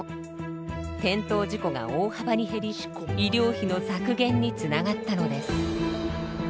転倒事故が大幅に減り医療費の削減につながったのです。